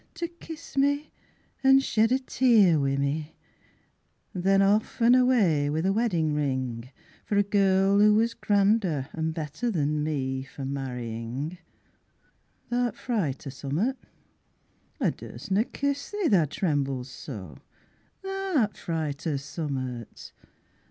To kiss me and shed a tear wi' me, Then off and away wi' the weddin' ring For the girl who was grander, and better than me For marrying Tha'rt frit o' summat? I durstna kiss thee tha trembles so, Tha'rt frit o' summat.